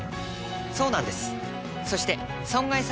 そうなんです。